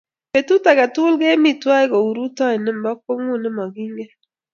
Petut ake tukul kemi twai kou rutoi nepo kwong'ut ne mokingen